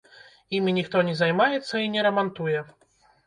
Імі ніхто не займаецца і не рамантуе.